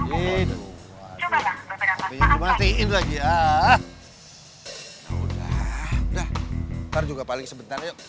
tidak dapat dihubungi cobalah berhentiin lagi ya udah udah juga paling sebentar yuk